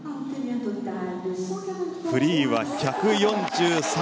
フリーは１４３．５９。